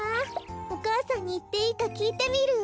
お母さんにいっていいかきいてみる。